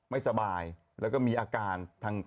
ไม่สบายแล้วก็มีอาการทาง